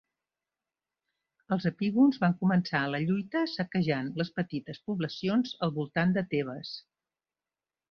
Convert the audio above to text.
Els epígons van començar la lluita saquejant les petites poblacions al voltant de Tebes.